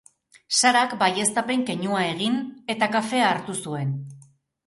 Sarak, baieztapen keinua egin, eta kafea hartu zuen.